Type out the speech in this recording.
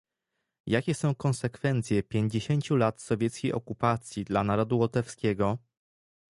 Jakie są konsekwencje pięćdziesięciu lat sowieckiej okupacji dla narodu łotewskiego?